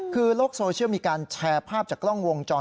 คือโลกโซเชียลมีการแชร์ภาพจากกล้องวงจร